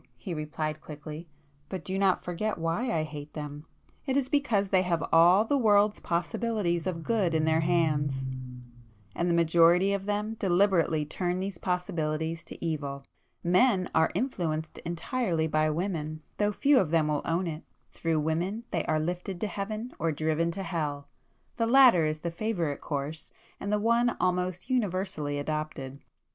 he replied quickly—"But do not forget why I hate them! It is because they have all the world's possibilities of good in their hands, and the majority of them deliberately turn these possibilities to evil. Men are influenced entirely by women, though few of them will own it,—through women they are lifted to heaven or driven to hell. The latter is the favourite course, and the one almost universally adopted."